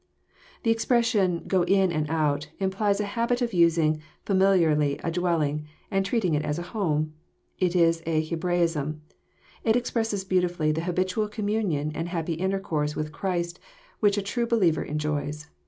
The expression, *< go in and out," implies a habit of using familiarly a dwelling, and treating it as a home. It is a Hebra ism. It expresses beautiftiUy the habitual communion and happy intercourse with Christ which a true believer enjoys.